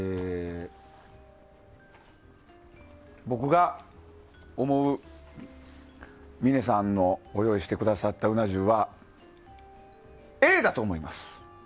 僕が思う峰さんの用意してくださったうな重はＡだと思います。